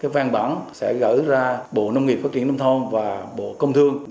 văn bản sẽ gởi ra bộ ngpt và bộ công thương